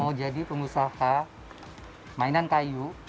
mau jadi pengusaha mainan kayu